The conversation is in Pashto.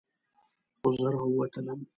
خو زه راووتلم.